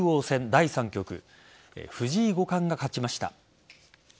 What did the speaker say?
第３局藤井五冠が勝ちました。